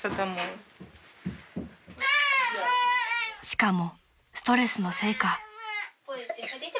［しかもストレスのせいか］